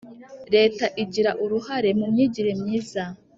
leta igira uruhare mu myigire myiza.